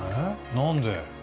何で？